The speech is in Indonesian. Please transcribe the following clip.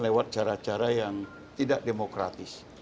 lewat cara cara yang tidak demokratis